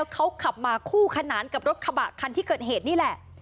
เขาขับมาคู่ขนานกับรถกระบะคันที่เกิดเหตุนี่แหละ